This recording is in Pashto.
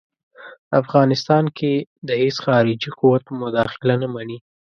افغانستان کې د هیڅ خارجي قوت مداخله نه مني.